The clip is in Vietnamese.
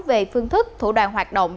về phương thức thủ đoàn hoạt động